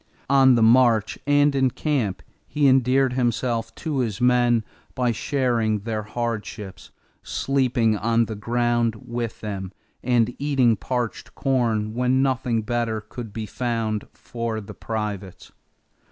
On the march and in camp, he endeared himself to his men by sharing their hardships, sleeping on the ground with them, and eating parched corn when nothing better could be found for the privates.